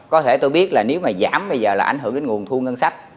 có thể tôi biết là nếu mà giảm bây giờ là ảnh hưởng đến nguồn thu ngân sách